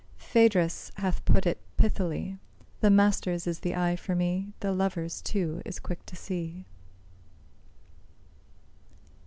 Phædrus hath put it pithily, The master's is the eye for me, The lover's, too, is quick to see.